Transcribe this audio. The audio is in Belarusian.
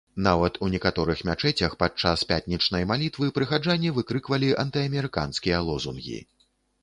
Нават у некаторых мячэцях падчас пятнічнай малітвы прыхаджане выкрыквалі антыамерыканскія лозунгі.